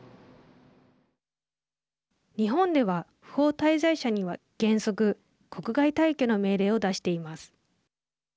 日本では、不法滞在者には原則国外退去の命令を出しています。